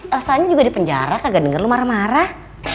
elsa nya juga di penjara kagak denger lo marah marah